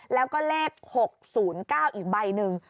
แล้วก็เลข๖๐๙อีกใบหนึ่ง